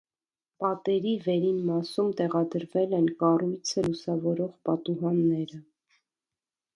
Պատերի վերին մասում տեղադրվել են կառույցը լուսավորող պատուհանները։